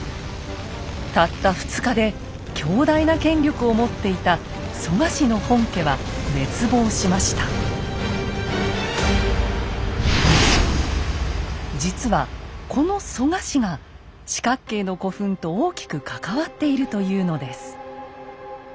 たった２日で強大な権力を持っていた実はこの蘇我氏が四角形の古墳と大きく関わっているというのです。